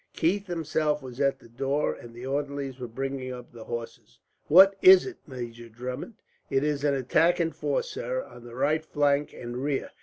Keith himself was at the door, and the orderlies were bringing up the horses. "What is it, Major Drummond?" "It is an attack in force, sir, on the right flank and rear.